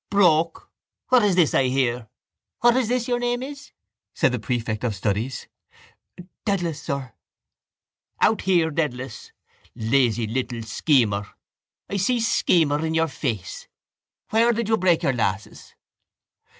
—Broke? What is this I hear? What is this? Your name is? said the prefect of studies. —Dedalus, sir. —Out here, Dedalus. Lazy little schemer. I see schemer in your face. Where did you break your glasses?